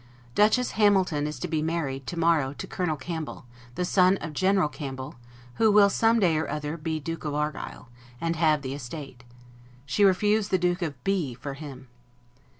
Duchess Hamilton is to be married, to morrow, to Colonel Campbell, the son of General Campbell, who will some day or other be Duke of Argyle, and have the estate. She refused the Duke of B r for him.